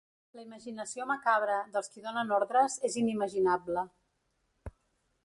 La imaginació macabra dels qui donen ordres és inimaginable.